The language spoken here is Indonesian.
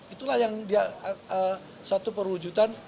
itulah yang satu perwujudan